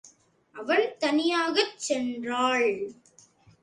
அவன் தனியாகச் சென்றாள்.